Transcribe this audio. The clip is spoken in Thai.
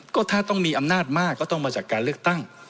ก็ถ้าต้องมีอำนาจมากก็ต้องมาจากการเลือกตั้ง